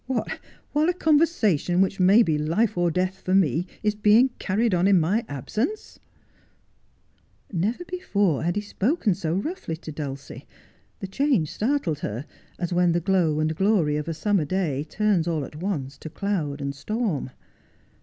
' What, while a conversation which may be life or death for me is being carried on in my absence !' Never before had he spoken so roughly to Dulcie. The change startled her, as when the glow and glory of a summer day turns all at once to cloud and storm.